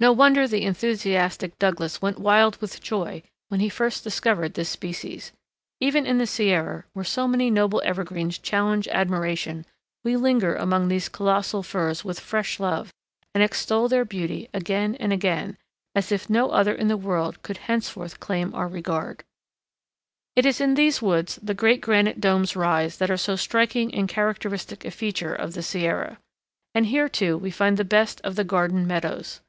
No wonder the enthusiastic Douglas went wild with joy when he first discovered this species. Even in the Sierra, where so many noble evergreens challenge admiration, we linger among these colossal firs with fresh love, and extol their beauty again and again, as if no other in the world could henceforth claim our regard. [Illustration: SILVER FIR FOREST GROWING ON MORAINES OF THE HOFFMAN AND TENAYA GLACIERS.] It is in these woods the great granite domes rise that are so striking and characteristic a feature of the Sierra. And here too we find the best of the garden meadows.